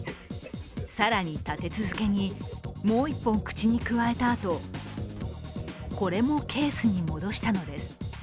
更に、立て続けにもう１本口にくわえたあと、これもケースに戻したのです。